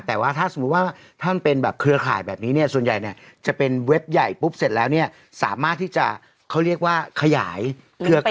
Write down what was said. แต่ว่าถ้าสมมุติว่าท่านเป็นแบบเครือข่ายแบบนี้เนี่ยส่วนใหญ่เนี่ยจะเป็นเว็บใหญ่ปุ๊บเสร็จแล้วเนี่ยสามารถที่จะเขาเรียกว่าขยาย